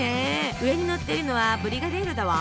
上に載っているのはブリガデイロだわ。